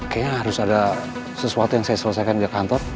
kayaknya harus ada sesuatu yang saya selesaikan di kantor